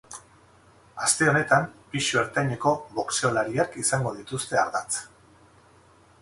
Aste honetan, pisu ertaineko boxeolariak izango dituzte ardatz.